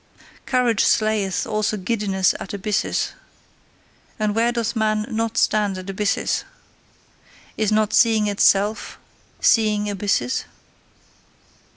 Courage slayeth also giddiness at abysses: and where doth man not stand at abysses! Is not seeing itself seeing abysses?